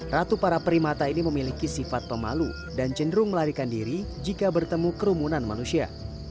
ratu para primata ini memiliki sifat pemalu dan cenderung melarikan diri jika bertemu kerumunan manusia